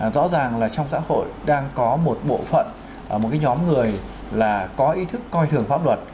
rõ ràng là trong xã hội đang có một bộ phận một nhóm người là có ý thức coi thường pháp luật